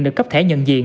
được cấp thẻ